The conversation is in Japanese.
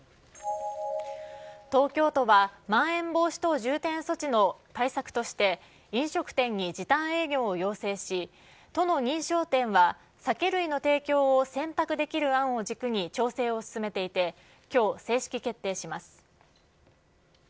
東京都はまん延防止等重点措置の対策として、飲食店に時短営業を要請し、都の認証店は酒類の提供を選択できる案を軸に調整を進めていて、きょう、正式決定します。